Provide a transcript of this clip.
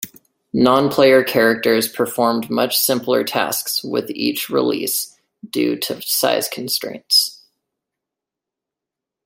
Non-player characters performed much simpler tasks with each release due to size constraints.